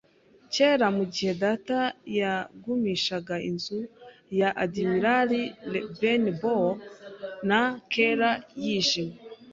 kera mugihe data yagumishaga inzu ya Admiral Benbow na kera yijimye